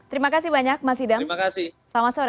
terima kasih banyak mas hidam terima kasih selamat sore